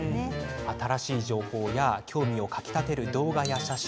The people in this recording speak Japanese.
新しい情報や興味をかきたてる動画や写真。